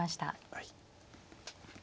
はい。